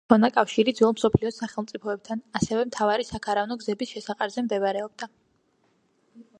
მას ჰქონდა კავშირი ძველი მსოფლიოს სახელმწიფოებთან, ასევე მთავარი საქარავნო გზების შესაყარზე მდებარეობდა.